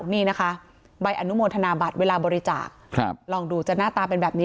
นี่นะคะใบอนุโมทนาบัตรเวลาบริจาคลองดูจะหน้าตาเป็นแบบนี้